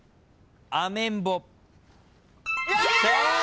正解。